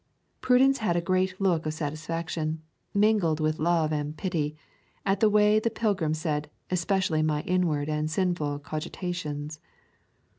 Prudence had a great look of satisfaction, mingled with love and pity, at the way the pilgrim said 'especially my inward and sinful cogitations.'